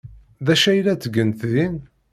D acu ay la ttgent din?